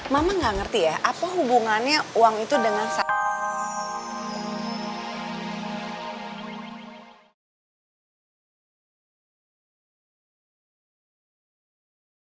mama gak ngerti ya apa hubungannya uang itu dengan saya